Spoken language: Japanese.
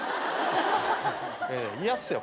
嫌っすよ